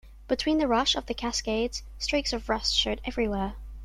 Between the rush of the cascades, streaks of rust showed everywhere.